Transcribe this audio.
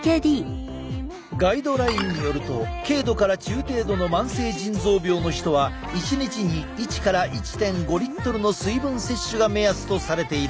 ガイドラインによると軽度から中程度の慢性腎臓病の人は一日に１１．５Ｌの水分摂取が目安とされているぞ。